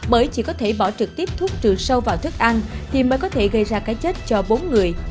bởi chỉ có thể bỏ trực tiếp thuốc trừ sâu vào thức ăn thì mới có thể gây ra cái chết cho bốn người